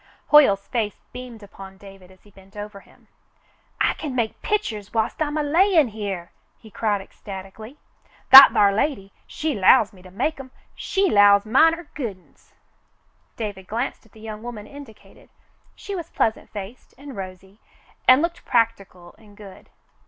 Hoyle's face beamed upon David as he bent over him. "I kin make pi'chers whilst I'm a lyin' here," he cried ecstatically. "That thar lady, she 'lows me to make 'em. She 'lows mine're good uns." David glanced at the young woman indicated. She was pleasant faced and rosy, and looked practical and good.